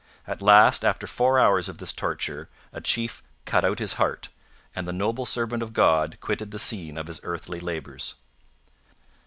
At last, after four hours of this torture, a chief cut out his heart, and the noble servant of God quitted the scene of his earthly labours.